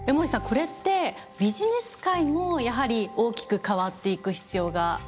これってビジネス界もやはり大きく変わっていく必要がありますよね。